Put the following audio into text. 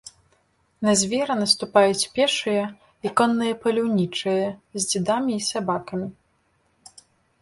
На звера наступаюць пешыя і конныя паляўнічыя з дзідамі і сабакамі.